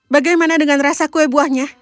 bagaimana dengan rasa kue buahnya